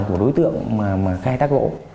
của đối tượng mà khai tác gỗ